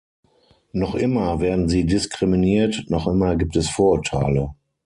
Noch immer werden sie diskriminiert, noch immer gibt es Vorurteile.